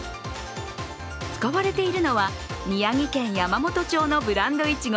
使われているのは宮城県山元町のブランドいちご